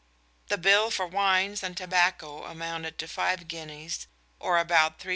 The bill for wines and tobacco amounted to five guineas, or about 3s.